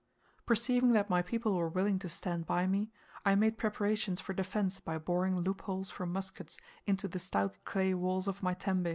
Perceiving that my people were willing to stand by me, I made preparations for defence by boring loopholes for muskets into the stout clay walls of my tembe.